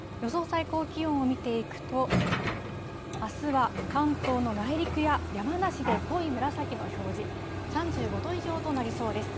最高気温を見ていくと、あすは関東の内陸や山梨で濃い紫の表示、３５度以上となりそうです。